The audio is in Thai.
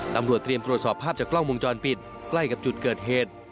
ตำรวจเตรียมตรวจสอบภาพจากกล้องวงจรปิดใกล้กับจุดเกิดเหตุ